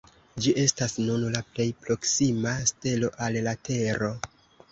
Ĝi estas nun la plej proksima stelo al la Tero.